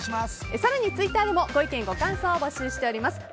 更に、ツイッターでもご意見、ご感想を募集しています。